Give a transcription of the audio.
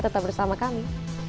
tetap bersama kami